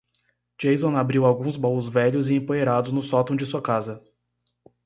Jason abriu alguns baús velhos e empoeirados no sótão de sua casa.